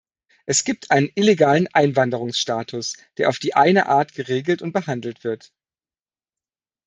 Es gibt einen illegalen Einwanderungsstatus, der auf die eine Art geregelt und behandelt wird.